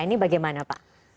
ini bagaimana pak